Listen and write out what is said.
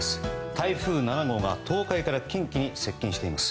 台風７号が東海から近畿に接近しています。